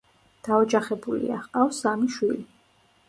დაოჯახებულია, ჰყავს სამი შვილი.